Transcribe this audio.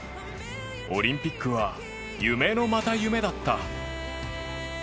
オリンピックは夢のまた夢だった。